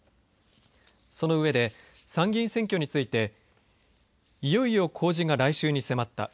その上で、参議院選挙についていよいよ公示が来週に迫った。